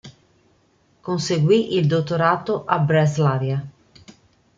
Conseguì il dottorato a Breslavia.